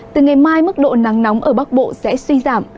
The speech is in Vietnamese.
từ ngày mai mức độ nắng nóng ở bắc bộ sẽ suy giảm